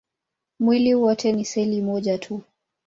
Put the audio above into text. Mwili wote ni seli moja tu.